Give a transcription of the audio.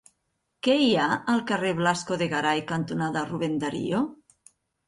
Què hi ha al carrer Blasco de Garay cantonada Rubén Darío?